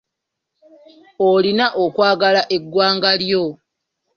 Olina okwagala eggwanga lyo.